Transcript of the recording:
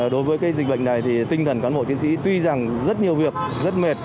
đối với dịch bệnh này thì tinh thần cán bộ chiến sĩ tuy rằng rất nhiều việc rất mệt